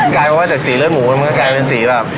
กลายมาว่าสีเลือดหมูมันกลายเป็นสีแบบ